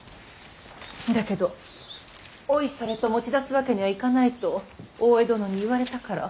だけどおいそれと持ち出すわけにはいかないと大江殿に言われたから。